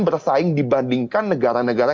bersaing dibandingkan negara negara